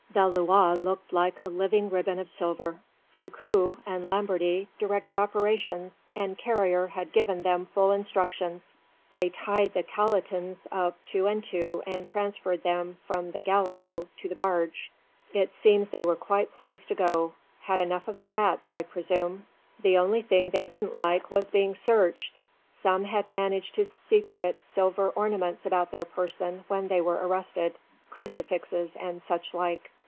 The Loire looked like a living ribbon of silver. Foucaud and Lamberty directed operations, and Carrier had given them full instructions. They tied the calotins up two and two and transferred them from the galliot to the barge. It seems they were quite pleased to go. Had enough of the rats, I presume. The only thing they didn't like was being searched. Some had managed to secrete silver ornaments about their person when they were arrested. Crucifixes and such like.